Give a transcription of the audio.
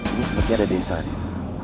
ini seperti ada desa nih